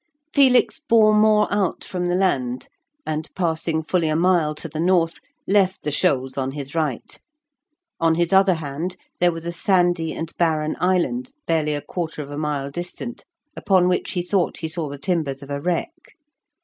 Felix bore more out from the land, and passing fully a mile to the north, left the shoals on his right. On his other hand there was a sandy and barren island barely a quarter of a mile distant, upon which he thought he saw the timbers of a wreck.